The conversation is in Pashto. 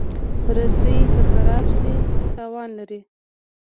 رسۍ که خراب شي، تاوان لري.